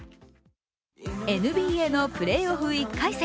ＮＢＡのプレーオフ１回戦。